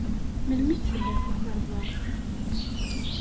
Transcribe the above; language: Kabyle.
Melmi d-tella tukerḍa?